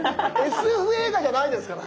ＳＦ映画じゃないですからね。